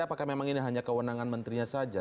apakah memang ini hanya kewenangan menterinya saja